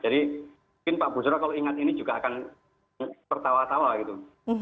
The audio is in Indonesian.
jadi mungkin pak busro kalau ingat ini juga akan bertawa tawa gitu